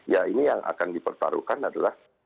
ya ini yang akan dipertaruhkan adalah